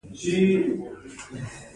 بیا د بدن مقاومت په تدریجي ډول بېرته زیاتوي.